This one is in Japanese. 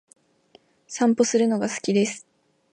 散歩するのが好きです。